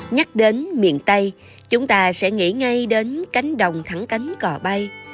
nhắc đến miền tây chúng ta sẽ nghĩ ngay đến cánh đồng thẳng cánh cỏ bay